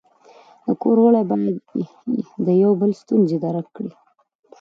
د کور غړي باید د یو بل ستونزې درک کړي.